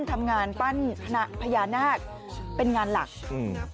ทำงานปั้นพญานาคเป็นงานหลักอืม